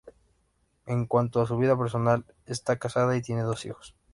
En cuanto a su vida personal, está casada y tiene dos hijas.